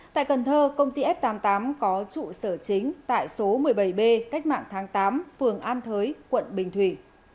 tại cần thơ công ty f tám mươi tám có trụ sở chính tại số một mươi bảy b cách mạng tháng tám phường an thới quận bình thủy